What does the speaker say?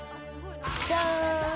じゃーん！